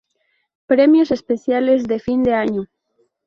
Premios especiales de fin de año.